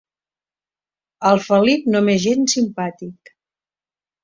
El Felip no m'és gens simpàtic.